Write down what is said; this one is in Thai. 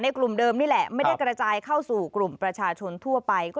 กลุ่มเดิมนี่แหละไม่ได้กระจายเข้าสู่กลุ่มประชาชนทั่วไป